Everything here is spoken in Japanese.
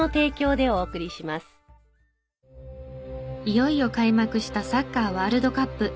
いよいよ開幕したサッカーワールドカップ。